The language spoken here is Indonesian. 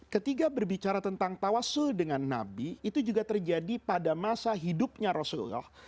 ketika berbicara tentang tawasul dengan nabi itu juga terjadi pada masa hidupnya rasulullah